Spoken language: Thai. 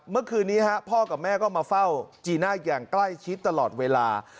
เมื่อคืนนี้พ่อกับแม่ก็มาเฝ้าจีน่าอย่างใกล้ชิดตลอดเวลา